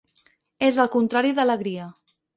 És el contrari d'alegria.